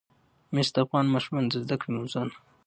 مس د افغان ماشومانو د زده کړې موضوع ده.